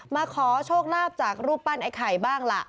มาขอโชคลาภจากรูปปั้นไอ้ไข่บ้างล่ะ